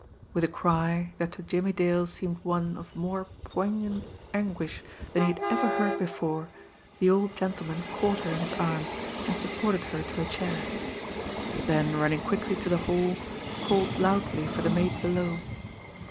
With a cry, that to Jimmie Dale seemed one of more poignant anguish than he had ever heard before, the old gentleman caught her in his arms and supported her to a chair; then running quickly to the hall, called loudly for the maid below.